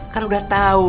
kan udah tahu